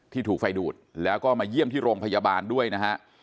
ถูกไฟดูดแล้วก็มาเยี่ยมที่โรงพยาบาลด้วยนะฮะ